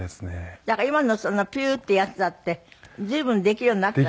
だから今のピューッてやつだって随分できるようになった。